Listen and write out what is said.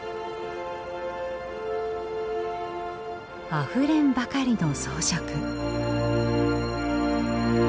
あふれんばかりの装飾。